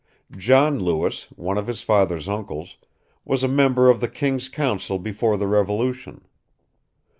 John Lewis, one of his father's uncles, was a member of the king's council before the Revolution.